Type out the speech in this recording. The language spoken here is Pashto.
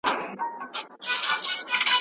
څېړونکی د متن ژبه ولي څېړي؟